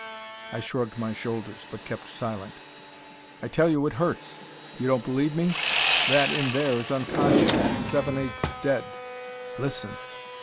I shrugged my shoulders, but kept silent. "I tell you it hurts. You don't believe me? That in there is unconscious, seven eighths dead. Listen."